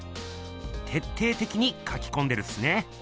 てっていてきにかきこんでるっすね。